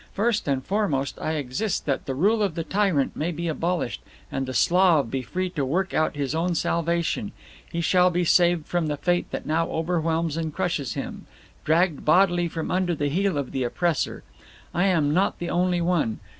First and foremost I exist that the rule of the Tyrant may be abolished, and the Slav be free to work out his own salvation; he shall be saved from the fate that now overwhelms and crushes him; dragged bodily from under the heel of the oppressor. I am not the only one.